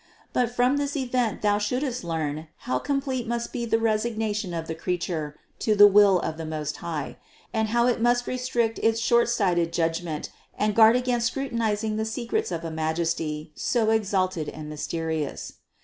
But from this event thou shouldst learn how complete must be the resignation of the creature to the will of the Most High, and how it must restrict its shortsighted judgment and guard against scrutinizing the secrets of a Majesty so exalted and mysterious.